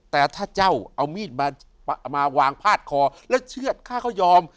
แต่ถ้าเจ้าเอามีดมาวางพาดคอแล้วเชื่อดข้าเขายอม